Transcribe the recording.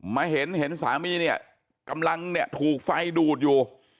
มาเห็นเห็นสามีเนี่ยกำลังเนี่ยถูกไฟดูดอยู่